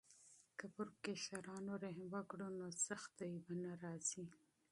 که پر کشرانو رحم وکړو نو سختي نه راځي.